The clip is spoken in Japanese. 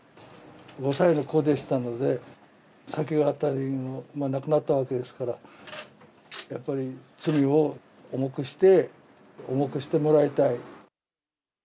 ５歳の子でしたので、先があった人が亡くなったわけですから、やっぱり罪を重くして、重くしてもらいたい。